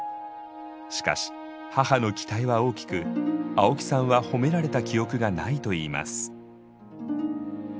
しかし母の期待は大きく青木さんは褒められた記憶がないといいます。